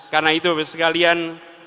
karena itu bapak sekalian